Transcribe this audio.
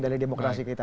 dari demokrasi kita